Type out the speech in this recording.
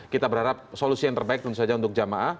kita berharap solusi yang terbaik tentu saja untuk jamaah